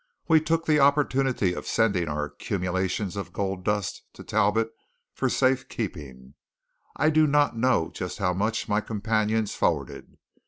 We took the opportunity of sending our accumulations of gold dust to Talbot for safekeeping. I do not know just how much my companions forwarded.